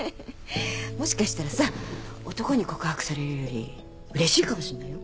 もしかしたらさ男に告白されるよりうれしいかもしんないよ。